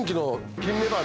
金メバル！